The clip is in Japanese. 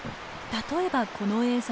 例えばこの映像。